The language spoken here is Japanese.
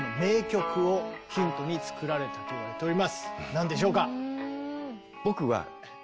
何でしょうか？